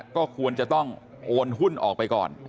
ก็ควรจะต้องโอนหุ้นออกไปก่อน